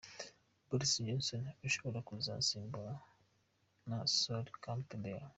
Boris Johnson ashobora kuzasimburwa na Sol Campbell.